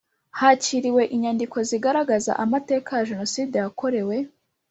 Hakiriwe inyandiko zigaragaza amateka ya Jenoside yakorewe